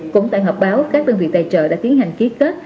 cũng tại họp báo các đơn vị tài trợ đã tiến hành ký kết